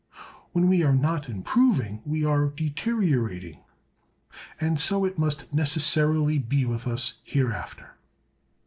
When we are not improving, we are deteriorating; and so it must necessarily be with us hereafter.